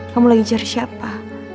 kamu lagi cari siapa